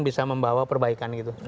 bisa membawa perbaikan